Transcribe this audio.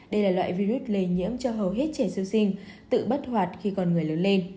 đây là loại virus lây nhiễm cho hầu hết trẻ sơ sinh tự bắt hoạt khi con người lớn lên